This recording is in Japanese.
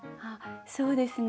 そうですね